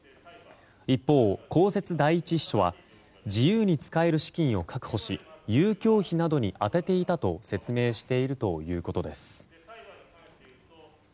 一方、公設第１秘書は自由に使える資金を確保し遊興費などに充てていたと説明しているということです。